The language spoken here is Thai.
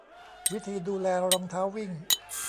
วิธีดูแลรองเท้าวิ่ง